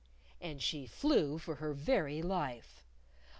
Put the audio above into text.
And she flew for her very life.